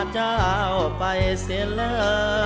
เจ้าไปเสียเลอ